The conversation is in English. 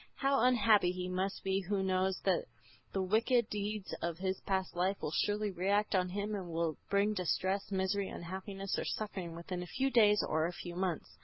How unhappy he must be who knows that the wicked deeds of his past life will surely react on him and will bring distress, misery, unhappiness or suffering within a few days or a few months.